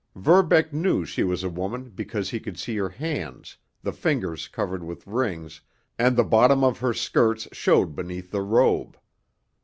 Verbeck knew she was a woman because he could see her hands, the fingers covered with rings and the bottom of her skirts showed beneath the robe.